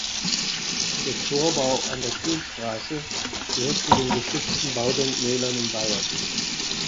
Der Torbau an der Kirchstraße gehört zu den geschützten Baudenkmälern in Bayern.